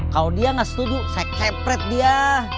kalau dia gak setuju saya kepret dia